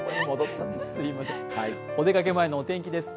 お出かけ前のお天気です。